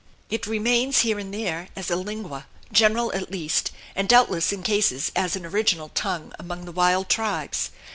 It remains here and there, as a lingua general at least, and doubtless in cases as an original tongue, among the wild tribes.